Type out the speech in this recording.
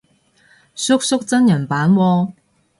叔叔真人版喎